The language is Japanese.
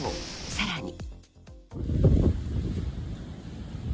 さらに。